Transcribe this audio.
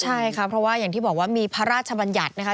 ใช่ค่ะเพราะว่าอย่างที่บอกว่ามีพระราชบัญญัตินะคะ